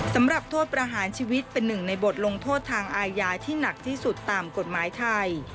สำหรับโทษประหารชีวิตเป็นหนึ่งในบทลงโทษทางอาญาที่หนักที่สุดตามกฎหมายไทย